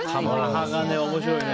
面白いね。